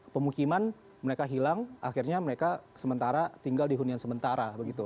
pemukiman mereka hilang akhirnya mereka sementara tinggal di hunian sementara begitu